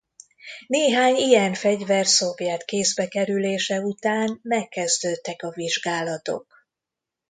Néhány ilyen fegyver szovjet kézbe kerülése után megkezdődtek a vizsgálatok.